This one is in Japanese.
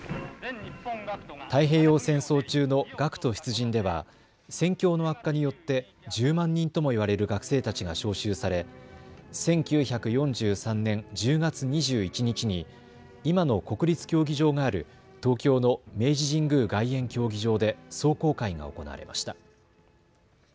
太平洋戦争中の学徒出陣では戦況の悪化によって１０万人ともいわれる学生たちが召集され１９４３年１０月２１日に今の国立競技場がある東京の明治神宮外苑競技場で壮行会が行われました。